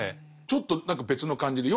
ちょっと何か別の感じで。